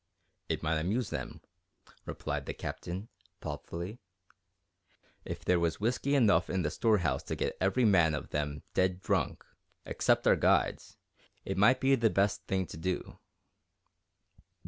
"It might amuse them," replied the Captain, thoughtfully. "If there was whiskey enough in the storehouse to get every man of them dead drunk, except our guides, it might be the best thing to do."